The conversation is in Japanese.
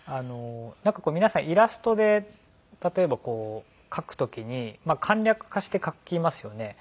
皆さんイラストで例えばこう描く時に簡略化して描きますよね。